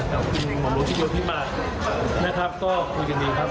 กับคุณหม่อมโลกที่เยอะที่มานะครับก็คุยกันดีครับ